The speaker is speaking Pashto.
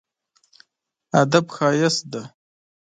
ادب ښايست دی.